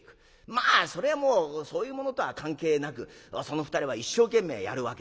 まあそれはもうそういうものとは関係なくその２人は一生懸命やるわけでございます。